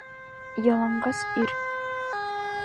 Яланғас ир!